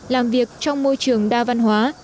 làm việc trong môi trường đa văn hóa